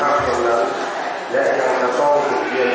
การพุทธศักดาลัยเป็นภูมิหลายการพุทธศักดาลัยเป็นภูมิหลาย